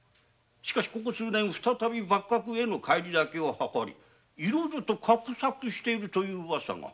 しかしここ数年再び幕閣への返り咲きを図り何事か画策しているというウワサが。